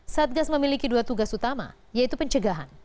satgas memiliki dua tugas utama yaitu pencegahan